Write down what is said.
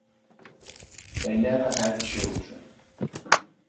They never had children.